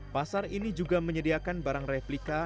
pasar ini juga menyediakan barang replika